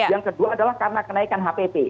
yang kedua adalah karena kenaikan hpp